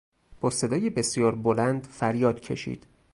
با صدای بسیار بلند فریاد کشید.